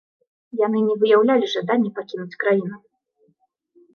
Яны не выяўлялі жаданне пакінуць краіну.